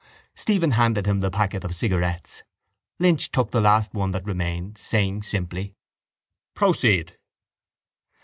Stephen handed him the packet of cigarettes. Lynch took the last one that remained, saying simply: —Proceed!